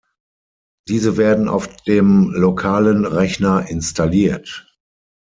Diese werden auf dem lokalen Rechner installiert.